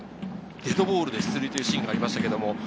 デッドボールで出塁というシーンがありました。